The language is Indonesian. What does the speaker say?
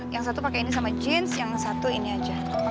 yang satu pakai ini sama jeans yang satu ini aja